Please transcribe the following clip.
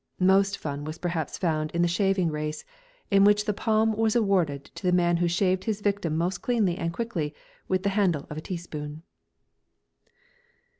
Most fun was perhaps found in the shaving race, in which the palm was awarded to the man who shaved his victim most cleanly and quickly with the handle of a teaspoon.